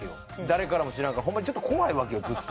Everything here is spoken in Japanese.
誰からも知らんからホンマにちょっと怖いわけよずっと。